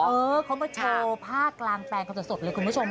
เออเขามาโชว์ภาคกลางแปลงกันสดเลยคุณผู้ชม